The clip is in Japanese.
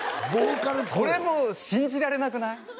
それも信じられなくない？